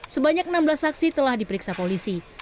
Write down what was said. sebanyak enam belas saksi telah diperiksa polisi